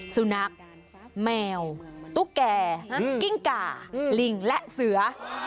สุนัขแมวตุ๊กแก่กิ้งก่าลิงและเสือ